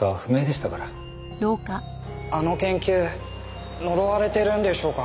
あの研究呪われてるんでしょうか？